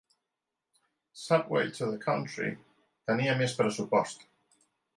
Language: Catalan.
'Subway to the Country' tenia més pressupost.